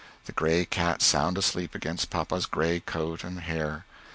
the gray cat sound asleep against papa's gray coat and hair.